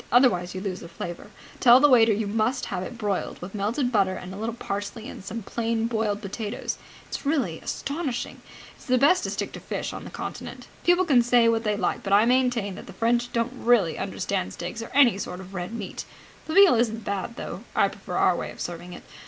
Otherwise you lose the flavour. Tell the waiter you must have it broiled, with melted butter and a little parsley and some plain boiled potatoes. It's really astonishing. It's best to stick to fish on the Continent. People can say what they like, but I maintain that the French don't really understand steaks or any sort of red meat. The veal isn't bad, though I prefer our way of serving it.